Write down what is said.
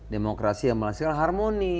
demokrasi yang menghasilkan harmoni